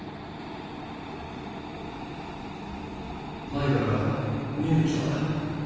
舞からメール来たわ。